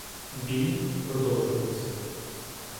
Бій продовжувався.